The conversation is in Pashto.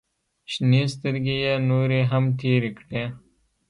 شنې سترګې يې نورې هم تېرې کړې.